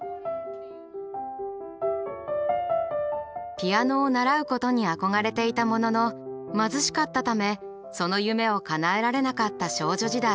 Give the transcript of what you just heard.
ピアノを習うことに憧れていたものの貧しかったためその夢をかなえられなかった少女時代。